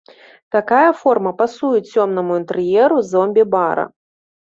Такая форма пасуе цёмнаму інтэр'еру зомбі-бара.